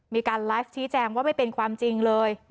มีการไลฟ์ชี้แจงว่าไม่เป็นความจริงเลย